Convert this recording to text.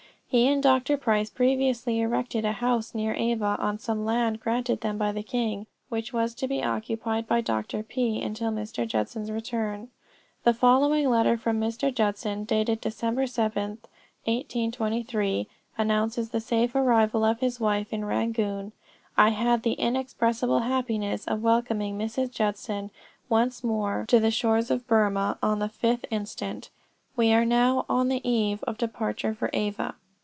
He and Dr. Price had previously erected a house near Ava on some land granted them by the king, which house was to be occupied by Dr. P. until Mr. Judson's return. The following letter from Mr. Judson dated Dec. 7, 1823, announces the arrival of his wife in Rangoon. "I had the inexpressible happiness of welcoming Mrs. Judson once more to the shores of Burmah, on the 5th instant. We are now on the eve of departure for Ava.